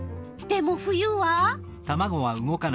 でも冬は？